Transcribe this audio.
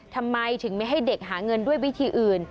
ทำไมถึงไม่ให้เด็กหาเงินด้วยวิธีอื่น